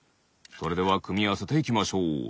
それではくみあわせていきましょう。